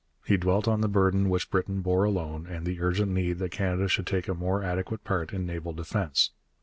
He dwelt on the burden which Britain bore alone and the urgent need that Canada should take a more adequate part in naval defence.